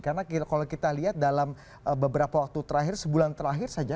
karena kalau kita lihat dalam beberapa waktu terakhir sebulan terakhir saja